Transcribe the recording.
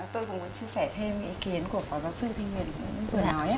tôi cũng muốn chia sẻ thêm ý kiến của phó giáo sư thanh nguyên